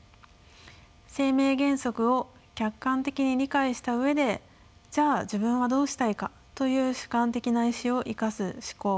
生命原則を客観的に理解した上でじゃあ自分はどうしたいかという主観的な意志をいかす思考